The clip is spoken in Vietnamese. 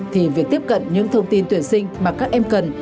thì việc tiếp cận những thông tin tuyển sinh mà các em cần